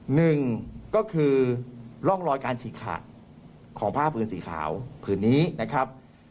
หนึ่งก็คือร่องรอยการฉีกขาดของผ้าพื้นสีขาวผืนนี้นะครับ